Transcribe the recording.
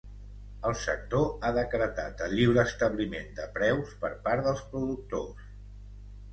El sector ha decretat el lliure establiment de preus per part dels productors.